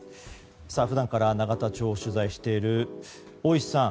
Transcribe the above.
普段から永田町を取材している大石さん。